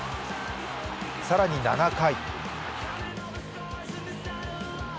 更に７回。